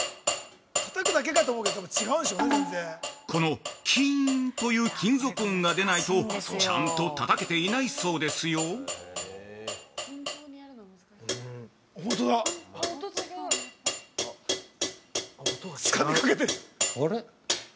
この、「キン」という金属音が出ないと、ちゃんとたたけていないそうですよ◆あれ？